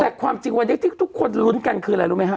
แต่ความจริงวันนี้ที่ทุกคนลุ้นกันคืออะไรรู้ไหมฮะ